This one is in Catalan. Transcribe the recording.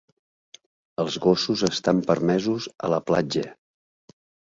Els gossos estan permesos a la platja.